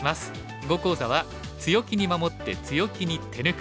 囲碁講座は「強気に守って強気に手抜く」。